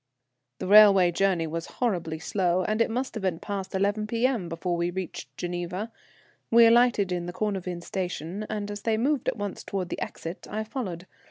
The railway journey was horribly slow, and it must have been past 11 P.M. before we reached Geneva. We alighted in the Cornavin station, and as they moved at once towards the exit I followed.